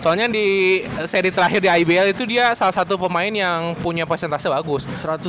soalnya di seri terakhir di ibl itu dia salah satu pemain yang punya presentasi bagus